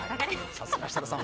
さすが設楽さん